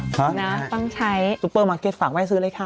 นะต้องใช้ซุปเปอร์มาร์เก็ตฝากไว้ซื้อเลยค่ะ